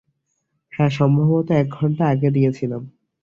হ্যাঁ, সম্ভবত এক ঘন্টা আগে দিয়েছিলাম।